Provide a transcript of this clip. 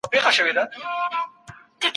اقتصادي تعاون د ټولني ستونزي حل کوي.